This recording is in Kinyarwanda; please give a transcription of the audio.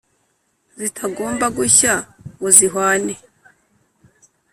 zitagomba gushya ngo zihwane.